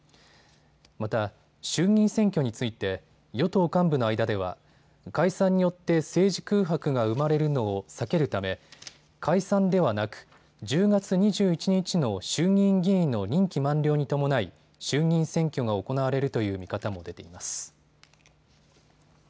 また衆議院選挙について与党幹部の間では解散によって政治空白が生まれるのを避けるため解散ではなく１０月２１日の衆議院議員の任期満了に伴い衆議院選挙が行われるという見方も出ています。